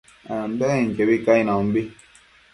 ambenquiobi cainombi